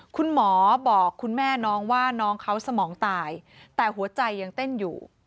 คุณหมอบอกคุณแม่น้องว่าน้องเขาสมองตายแต่หัวใจยังเต้นอยู่